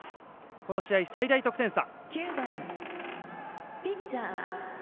この試合、最大得点差。